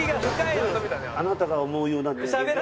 あなたが思うような人間。